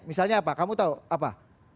misalnya apa kamu tahu apa